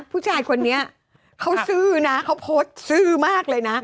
ผู้ชายคนนี้เขาซื่อนะเขาโพสต์ซื่อมากเลยนะ